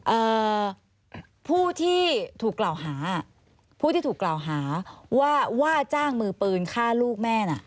เอ่อผู้ที่ถูกกล่าวหาผู้ที่ถูกกล่าวหาว่าว่าจ้างมือปืนฆ่าลูกแม่น่ะ